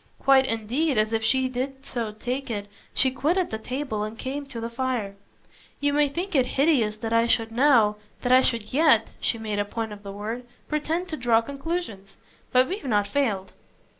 Quite indeed as if she did so take it she quitted the table and came to the fire. "You may think it hideous that I should now, that I should YET" she made a point of the word "pretend to draw conclusions. But we've not failed."